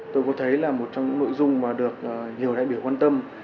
tôi có thấy là một trong những nội dung mà được nhiều đại biểu quan tâm